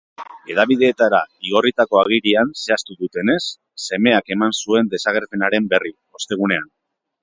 Hedabideetara igorritako agirian zehaztu dutenez, semeak eman zuen desagerpenaren berri, ostegunean.